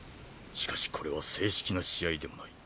しかしこれは正式な試合でもない。